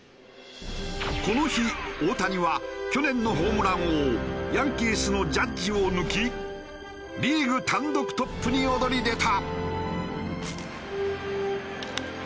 この日大谷は去年のホームラン王ヤンキースのジャッジを抜きリーグ単独トップに躍り出た。